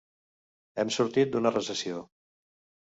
Hem sortit d'una recessió.